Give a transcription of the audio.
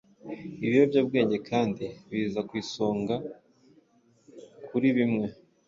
Ibiyobyabwenge kandi biza ku isonga kuri bimwe